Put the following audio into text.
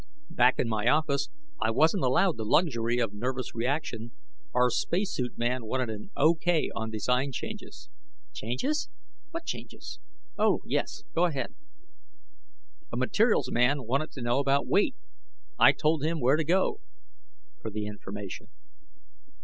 Back in my office, I wasn't allowed the luxury of nervous reaction. Our spacesuit man wanted an Ok on design changes. Changes? What changes?... Oh, yes, go ahead. A materials man wanted to know about weight. I told him where to go for the information.